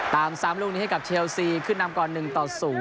ตาม๓ลูกนี้ให้กับเชลซีขึ้นนำก่อน๑ต่อ๐